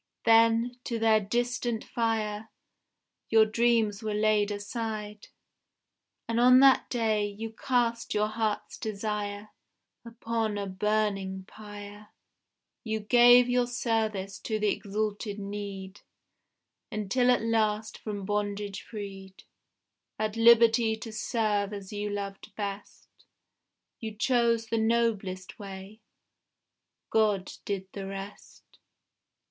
Then, to their distant fire, Your dreams were laid aside; And on that day, you cast your heart's desire Upon a burning pyre; You gave your service to the exalted need, Until at last from bondage freed, At liberty to serve as you loved best, You chose the noblest way. God did the rest.